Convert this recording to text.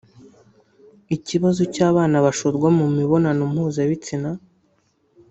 ikibazo cy’abana bashorwa mu mibonano mpuzabitsina